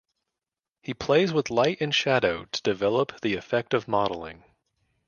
He plays with light and shadow to develop the effect of modeling.